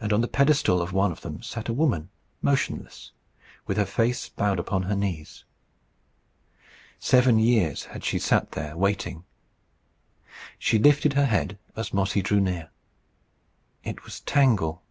And on the pedestal of one of them sat a woman, motionless, with her face bowed upon her knees. Seven years had she sat there waiting. She lifted her head as Mossy drew near. It was Tangle.